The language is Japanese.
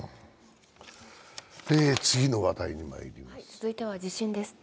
続いては地震です。